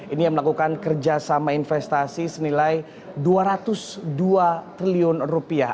ini yang melakukan kerjasama investasi senilai dua ratus dua triliun rupiah